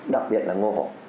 đặc biệt là ngô hộ